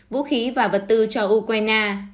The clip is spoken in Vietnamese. vũ khí và vật tư cho ukraine